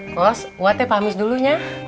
bos gue mau pamer dulu ya